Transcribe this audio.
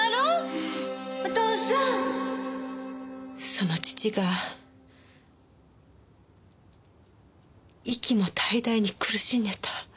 その父が息も絶え絶えに苦しんでた。